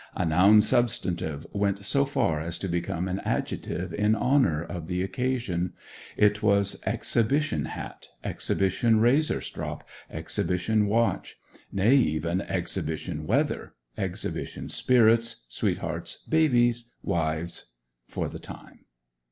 A noun substantive went so far as to become an adjective in honour of the occasion. It was "exhibition" hat, "exhibition" razor strop, "exhibition" watch; nay, even "exhibition" weather, "exhibition" spirits, sweethearts, babies, wives—for the time.